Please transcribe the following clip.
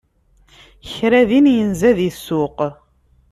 Kra din yenza di ssuq.